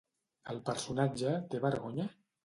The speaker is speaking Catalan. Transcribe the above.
El personatge té vergonya?